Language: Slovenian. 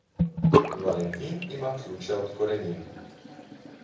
Valentin ima ključe od korenin.